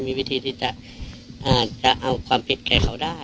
กินโทษส่องแล้วอย่างนี้ก็ได้